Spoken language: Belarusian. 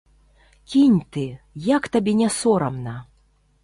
Кінь ты, як табе не сорамна!